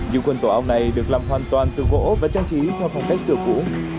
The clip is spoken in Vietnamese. những quần tổ ong này được làm hoàn toàn từ gỗ và trang trí theo phong cách sửa cũ